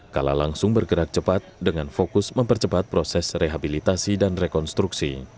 kala langsung bergerak cepat dengan fokus mempercepat proses rehabilitasi dan rekonstruksi